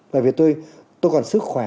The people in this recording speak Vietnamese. bởi vì tôi tôi còn sức khỏe